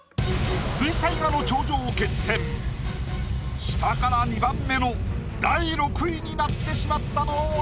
水彩画の頂上決戦下から２番目の第６位になってしまったのは？